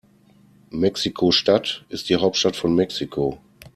Mexiko-Stadt ist die Hauptstadt von Mexiko.